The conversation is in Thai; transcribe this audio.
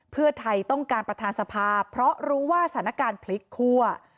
เพื่อไทยต้องการประธานสภาเพราะรู้ว่าสถานการณ์พลิกคั่ว